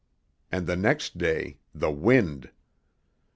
And the next day the wind!